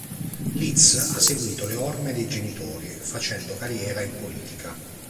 Liz ha seguito le orme dei genitori facendo carriera in politica.